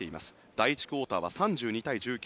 第１クオーターは３２対１９